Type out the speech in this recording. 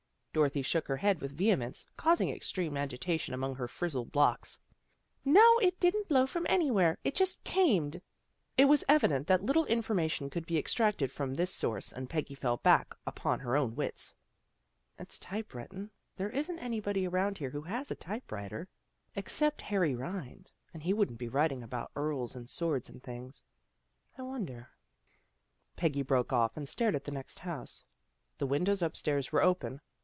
Dorothy shook her head with vehemence, causing extreme agitation among her frizzled locks. " No, it didn't blow from anywhere. It just earned." It was evident that little in formation could be extracted from this source and Peggy fell back upon her own wits. " It's typewritten. There isn't anybody around here who has a typewriter, except 44 THE GIRLS OF FRIENDLY TERRACE Harry Rind, and he wouldn't be writing about earls and swords and things. I wonder Peggy broke off, and stared at the next house. The windows upstairs were open.